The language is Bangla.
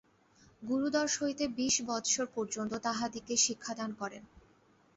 গুরু দশ হইতে বিশ বৎসর পর্যন্ত তাহাদিগকে শিক্ষাদান করেন।